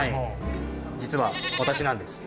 実は私なんです。